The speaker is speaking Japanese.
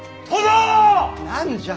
何じゃ。